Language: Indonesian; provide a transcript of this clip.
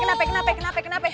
kenapa kenapa kenapa kenapa